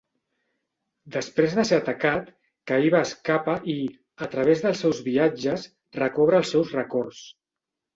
Després de ser atacat, Kaiba escapa i, a través dels seus viatges, recobra els seus records.